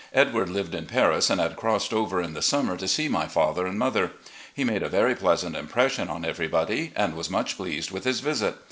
Edward lived in Paris, and had crossed over in the summer to see my father and mother. He made a very pleasant impression on everybody, and was much pleased with his visit.